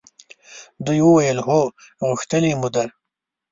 دوی وویل هو! غوښتلې مو ده.